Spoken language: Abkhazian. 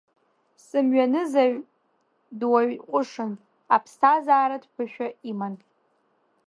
Сымҩанызаҩ дуаҩ ҟәышын, аԥсҭазааратә ԥышәа иман.